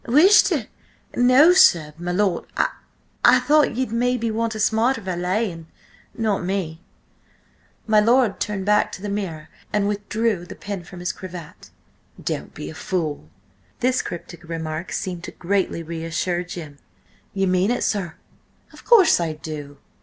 "Wish to—! No, sir–my lord— I–I thought ye'd maybe want a smarter valet–and–not me." My lord turned back to the mirror and withdrew the pin from his cravat. "Don't be a fool." This cryptic remark seemed greatly to reassure Jim. "Ye mean it, sir?" "Of course I do.